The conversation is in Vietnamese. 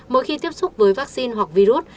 mỗi khi tiếp xúc với vaccine hoặc virus